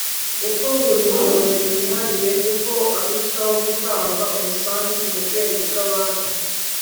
Uko buri muntu yihariye niko arushaho gutanga umusanzu mubwenge bwabandi